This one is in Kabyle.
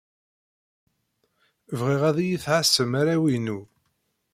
Bɣiɣ ad iyi-tɛassem arraw-inu.